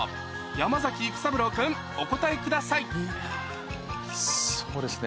山崎育三郎君お答えくださいそうですね